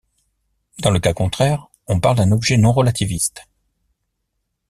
Dans le cas contraire on parle d'un objet non relativiste.